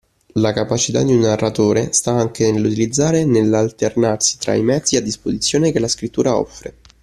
La capacità di un narratore sta anche nell’utilizzare e nell’alternarsi tra i mezzi a disposizione che la scrittura offre